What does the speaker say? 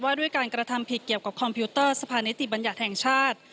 ด้วยการกระทำผิดเกี่ยวกับคอมพิวเตอร์สะพานิติบัญญัติแห่งชาติ